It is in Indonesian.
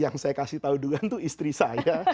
yang saya kasih tahu dugaan itu istri saya